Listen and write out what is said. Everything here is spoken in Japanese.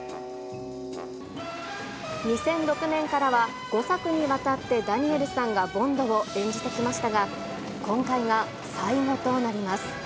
２００６年からは、５作にわたってダニエルさんがボンドを演じてきましたが、今回が最後となります。